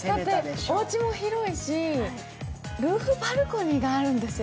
おうちも広いし、ルーフバルコニーもあるんですよ。